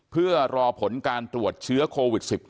เพื่อรอผลการตรวจเชื้อโควิด๑๙